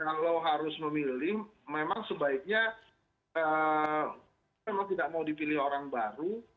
kalau harus memilih memang sebaiknya memang tidak mau dipilih orang baru